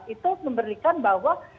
itu memberikan bahwa